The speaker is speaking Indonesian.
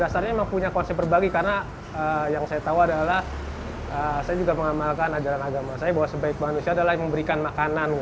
dasarnya memang punya konsep berbagi karena yang saya tahu adalah saya juga mengamalkan ajaran agama saya bahwa sebaik manusia adalah memberikan makanan